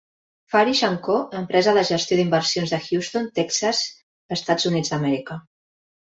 Farish and Co., empresa de gestió d'inversions de Houston, Texas, E.U.A.